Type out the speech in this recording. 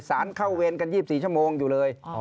สารเข้าเวรกัน๒๔ชั่วโมงอยู่เลย